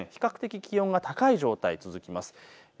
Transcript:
比較的、気温が高い状態、続きます。